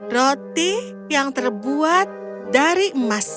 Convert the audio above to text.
roti yang terbuat dari emas